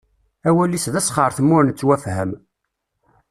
Awal-is d asxertem ur nettwafham.